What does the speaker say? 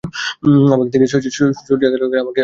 আমাকে দেখিয়া শচীশ ছুটিয়া আসিয়া আমাকে বুকে চাপিয়া ধরিল।